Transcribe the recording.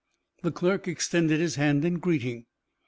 The clerk extended his hand in greeting.